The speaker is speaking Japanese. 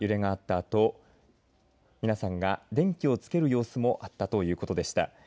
あと皆さんが電気をつける様子もあったということでした。